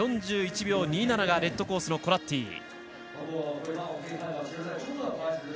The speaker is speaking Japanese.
４１秒２７がレッドコースのコラッティ。